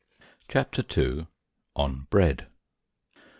CHAPTER II. ON BREAD.